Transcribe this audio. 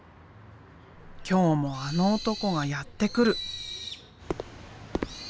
今日もあの男がやって来る。